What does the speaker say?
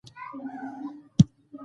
د سترګو د حساسیت لپاره کومې اوبه وکاروم؟